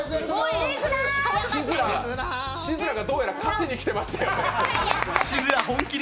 シズラがどうやら勝ちに来てましたね。